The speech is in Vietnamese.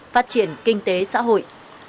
phát triển kinh tế xã hội